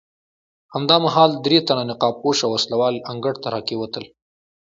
همدا مهال درې تنه نقاب پوشه وسله وال انګړ ته راکېوتل.